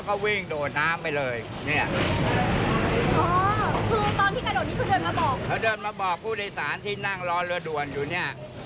เขาเดินมาบอกผู้โดยสารที่นั่งรอเรือด่วนอยู่เนี่ย